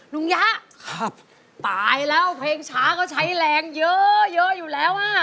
นุ้งยะตายแล้วเพลงช้าเขาใช้แรงเยอะอยู่แล้วนะ